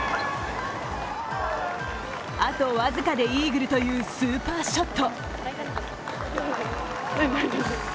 あと僅かでイーグルというスーパーショット。